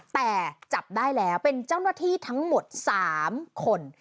แต่จับได้แล้วเป็นเจ้าหน้าที่ทั้งหมด๓คน